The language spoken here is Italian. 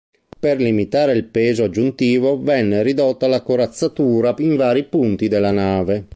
Per limitare il peso aggiuntivo, venne ridotta la corazzatura in vari punti della nave.